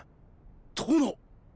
殿！